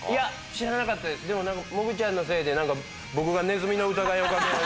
知らなかったですもぐちゃんのせいで僕がネズミの疑いをかけられる。